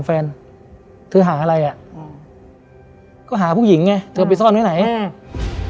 แฟนเธอหาอะไรอ่ะอืมก็หาผู้หญิงไงเธอไปซ่อนไว้ไหนอืม